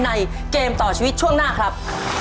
เกมต่อชีวิตช่วงหน้าครับ